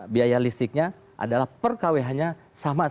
biaya listriknya adalah per kwh nya sama sekali